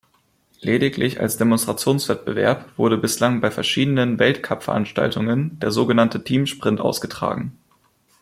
Lediglich als Demonstrationswettbewerb wurde bislang bei verschiedenen Weltcupveranstaltungen der sogenannte Teamsprint ausgetragen.